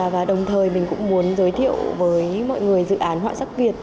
và đồng thời mình cũng muốn giới thiệu với mọi người dự án họa sắc việt